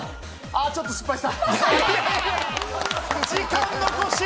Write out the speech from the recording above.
ちょっと失敗した。